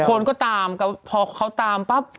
คนก็ตามพอเขาตามปั๊บ